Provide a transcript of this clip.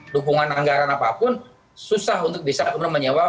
lumpungan anggaran apapun susah untuk bisa menyebabkan